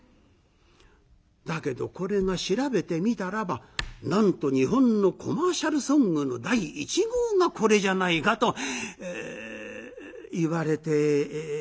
だけどこれが調べてみたらばなんと日本のコマーシャルソングの第１号がこれじゃないかといわれているんですけれどもね。